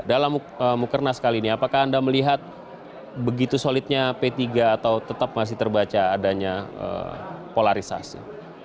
dalam mukernas kali ini apakah anda melihat begitu solidnya p tiga atau tetap masih terbaca adanya polarisasi